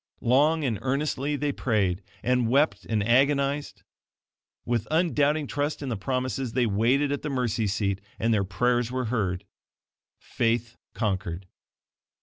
Long and earnestly they prayed, and wept and agonized. With undoubting trust in the promises, they waited at the mercy seat, and their prayers were heard. Faith conquered.